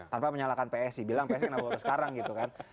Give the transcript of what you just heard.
tanpa menyalahkan psi bilang psi kenapa baru sekarang gitu kan